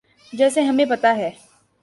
جیسے ہمیں پتہ ہے۔